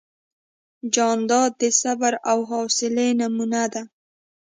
جانداد د صبر او حوصلې نمونه ده.